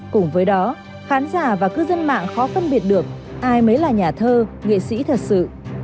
cùng với đó khán giả và cư dân mạng khó phân biệt được ai mới là nhà thơ nghệ sĩ thật sự